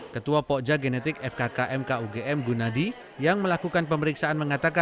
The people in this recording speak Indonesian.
ketua pokja genetik fkkm kugm gunadi yang melakukan pemeriksaan mengatakan